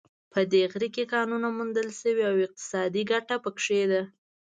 په دې غره کې کانونو موندل شوې او اقتصادي ګټه په کې ده